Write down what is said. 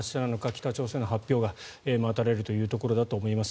北朝鮮の発表が待たれるというところだと思います。